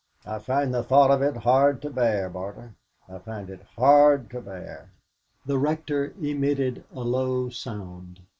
I find the thought of it hard to bear, Barter I find it hard to bear " The Rector emitted a low sound.